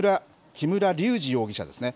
木村隆二容疑者ですね。